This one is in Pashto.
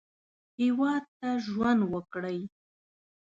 هېواد ته ژوند وکړئ